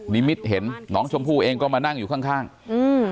นิมิตเห็นน้องชมพู่เองก็มานั่งอยู่ข้างข้างอืม